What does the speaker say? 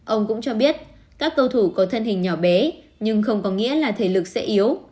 ông cũng cho biết các cầu thủ có thân hình nhỏ bé nhưng không có nghĩa là thể lực sẽ yếu